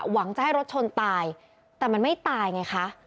หวังจะให้รถชนตายแต่มันไม่ตายไงคะ